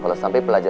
jalan lagi dulu ya